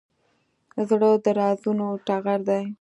زړه د رازونو ټغر دی.